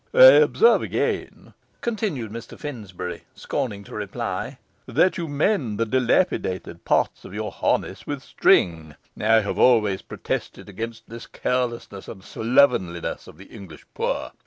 'I observe again,' continued Mr Finsbury, scorning to reply, 'that you mend the dilapidated parts of your harness with string. I have always protested against this carelessness and slovenliness of the English poor.